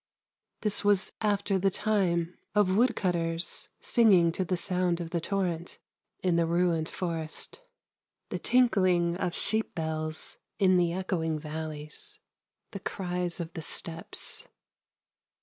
This was after the time of woodcutters singing to the sound of the torrent in the ruined forest ; the tinkling of sheep bells in the echoing valleys ; the cries of the steppes.